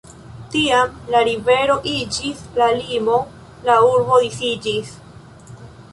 Tiam la rivero iĝis la limo, la urbo disiĝis.